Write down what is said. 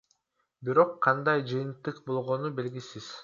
Бирок кандай жыйынтык болгону белгисиз.